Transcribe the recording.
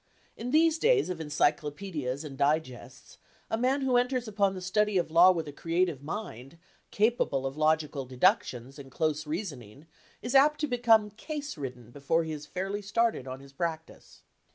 In these days of encyclopedias and digests, a man who enters upon the study of law with a creative mind, capable of logical deductions and close reason ing, is apt to become "case ridden" before he has fairly started on his practice.